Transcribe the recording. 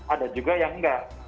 ada juga yang nggak